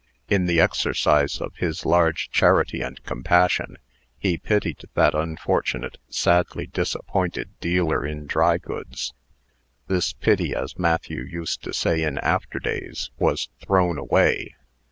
In the exercise of his large charity and compassion, he pitied that unfortunate, sadly disappointed dealer in dry goods. This pity, as Matthew used to say in after days, was thrown away.